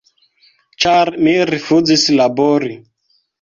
Ĉar mi rifuzis labori.